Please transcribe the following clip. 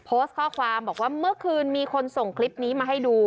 โพสต์ข้อความบอกว่าเมื่อคืนมีคนส่งคลิปนี้มาให้ดู